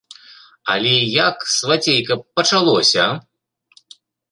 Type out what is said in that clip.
Але як, свацейка, пачалося?!